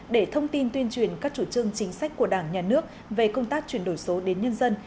để thông tin tuyên truyền các chủ trương chính sách của đảng nhà nước về công tác chuyển đổi số đến nhân dân